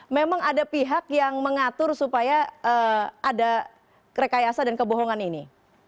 memang ada pihak yang mengatur supaya ada rekayasa dan kebohongan ini